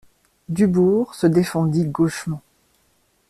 Dubourg se défendit gauchement.